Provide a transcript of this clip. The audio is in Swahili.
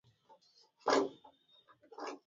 leo wamefanya maandamano jijini mwanza